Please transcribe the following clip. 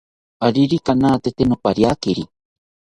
Aririka natete nopariekari